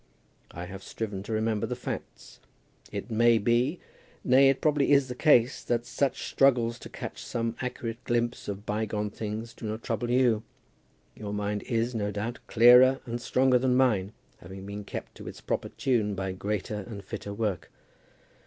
I have striven to remember the facts. It may be, nay, it probably is the case, that such struggles to catch some accurate glimpse of bygone things do not trouble you. Your mind is, no doubt, clearer and stronger than mine, having been kept to its proper tune by greater and fitter work.